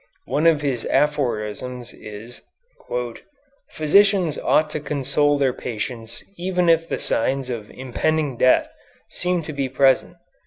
One of his aphorisms is: "Physicians ought to console their patients even if the signs of impending death seem to be present.